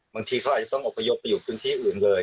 บางทีเขาอาจจะต้องอบพยพไปอยู่พื้นที่อื่นเลย